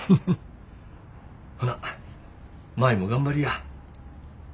ほな舞も頑張りや。